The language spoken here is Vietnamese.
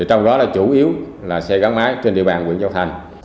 trong đó là chủ yếu là xe gắn máy trên địa bàn huyện châu thành